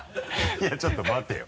いやちょっと待てよ。